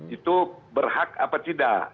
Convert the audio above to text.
itu berhak apa tidak